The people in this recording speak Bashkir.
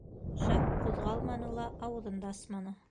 Жак ҡуҙғалманы ла, ауыҙын да асманы.